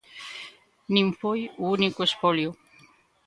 Nin foi o único espolio.